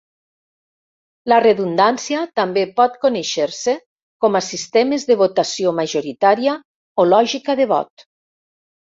La redundància també pot conèixer-se com a "sistemes de votació majoritària" o "lògica de vot".